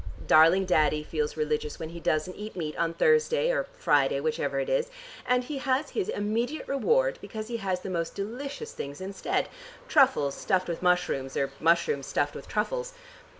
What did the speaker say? Darling Daddy feels religious when he doesn't eat meat on Thursday or Friday, whichever it is, and he has his immediate reward because he has the most delicious things instead truffles stuffed with mushrooms or mushrooms stuffed with truffles.